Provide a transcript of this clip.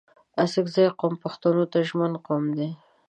اڅګزي قوم پښتو ته ژمن قوم دی